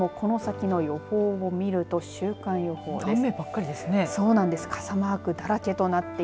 この先の予報を見ると、週間予報です。